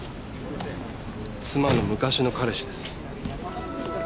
妻の昔の彼氏です。